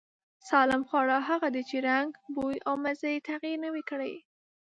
سالم خواړه هغه دي چې رنگ، بوی او مزې يې تغير نه وي کړی.